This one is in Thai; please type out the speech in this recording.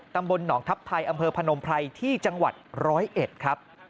ตำบลหนองทัพไทยอำเภอพนมไพรที่จังหวัดร้อยเอ็ดครับ